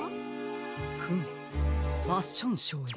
フムファッションショーへ。